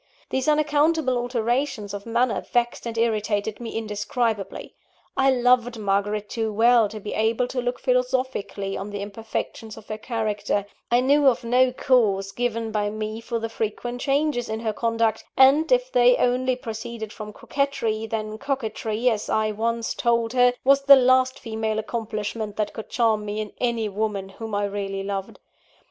These unaccountable alterations of manner vexed and irritated me indescribably. I loved Margaret too well to be able to look philosophically on the imperfections of her character; I knew of no cause given by me for the frequent changes in her conduct, and, if they only proceeded from coquetry, then coquetry, as I once told her, was the last female accomplishment that could charm me in any woman whom I really loved.